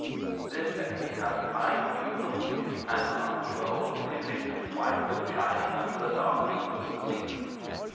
This baby had a fine new basket and a larch pole, newly fixed, white and shining, under the dark beams of the ceiling.